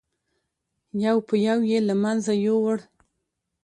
یو په یو یې له منځه یووړل.